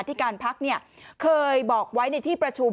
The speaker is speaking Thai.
ที่การพักเคยบอกไว้ในที่ประชุม